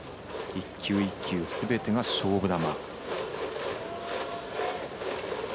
一球一球すべてが勝負球。